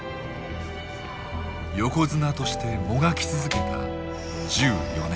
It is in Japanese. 横綱としてもがき続けた１４年。